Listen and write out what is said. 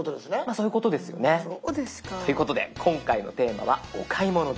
そういうことですね。ということで今回のテーマはお買い物です。